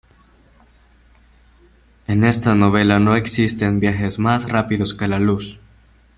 En esta novela no existen viajes más rápidos que la luz.